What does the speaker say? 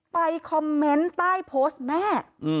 ไปคอมเมนต์ใต้โพสต์แม่